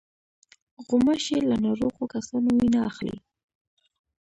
غوماشې له ناروغو کسانو وینه اخلي.